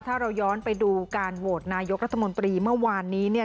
ถ้าเราย้อนไปดูการโหวตนายกรัฐมนตรีเมื่อวานนี้เนี่ย